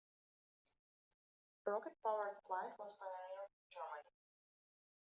Rocket-powered flight was pioneered in Germany.